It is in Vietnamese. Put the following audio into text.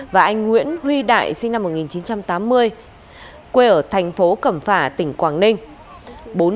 và anh nguyễn huy đại sinh năm một nghìn chín trăm tám mươi quê ở thành phố cẩm phả tỉnh quảng ninh